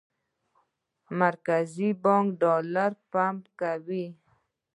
مرکزي بانک ډالر پمپ کوي.